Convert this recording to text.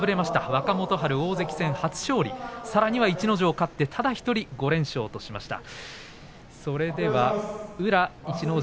若元春、大関戦初勝利逸ノ城横綱照ノ富士に勝ってただ１人５連勝としました。